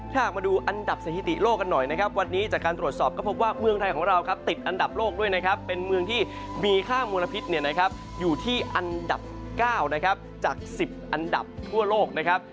ถ้าหากมาดูอันดับสถิติโลกกันหน่อยนะครับวันนี้จากการตรวจสอบก็พบว่าเมืองไทยของเราครับติดอันดับโลกด้วยนะครับเป็นเมืองที่มีค่ามลพิษอยู่ที่อันดับ๙นะครับจาก๑๐อันดับทั่วโลกนะครับ